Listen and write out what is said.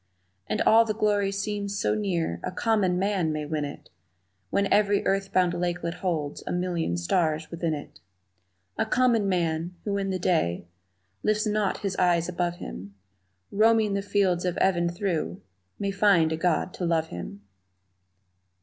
And all the glory seems so near A common man may win it When every earth bound lakelet holds A million stars within it. A common man, who in the day Lifts not his eyes above him, Roaming the fields of even through May find a God to love him!